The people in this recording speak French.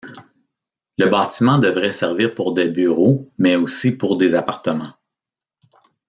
Le bâtiment devrait servir pour des bureaux mais aussi pour des appartements.